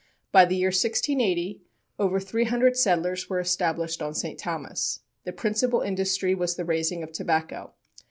By the year 1680, over three hundred settlers were established on St. Thomas. The principal industry was the raising of tobacco.